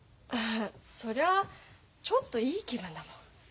そりゃちょっといい気分だもん。